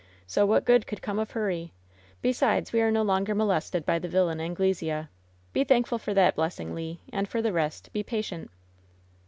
So, what good could come of hurry ? Besides, we are no longer molested by the villain Angle sea. Be thankful for that blessing, Le, and for the rest be patient.'